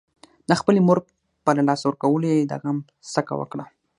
د خپلې مور په له لاسه ورکولو يې د غم څکه وکړه.